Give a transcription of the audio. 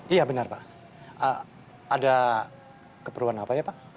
iya benar pak ada keperluan apa ya pak